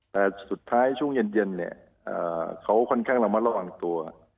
แต่สุดท้ายช่วงเย็นเนี่ยเขาค่อนข้างระมัดระวังตัว